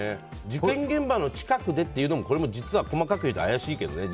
事件現場の近くでというのも実は細かく言うと怪しいけどね。